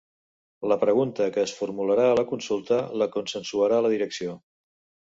La pregunta que es formularà a la consulta la consensuarà la direcció